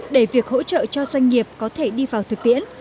để việc hỗ trợ cho doanh nghiệp có thể đi vào thực tiễn